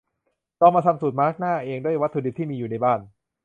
ลองมาทำสูตรมาสก์หน้าเองด้วยวัตถุดิบที่มีอยู่ในบ้าน